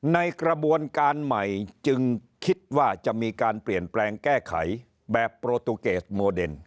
ในกระบวนการใหม่จึงคิดว่าจะมีการเปลี่ยนแปลงแก้ไขแบบโปรตูเกสโมเดน